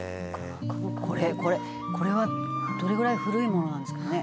「これこれはどれぐらい古いものなんですかね？」